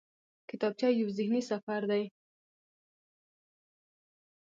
کتابچه یو ذهني سفر دی